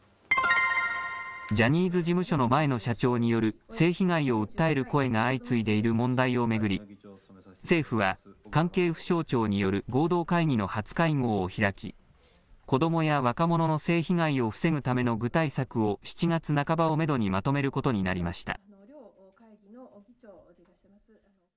ジャニーズ事務所の前の社長による性被害を訴える声が相次いでいる問題を巡り、政府は関係府省庁による合同会議の初会合を開き、子どもや若者の性被害を防ぐための具体策を７月半ばをメドにまとめることになりました。